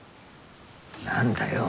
何だよ？